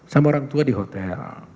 sama orang tua di hotel